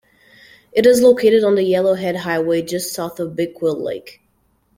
It is located on the Yellowhead Highway just south of Big Quill Lake.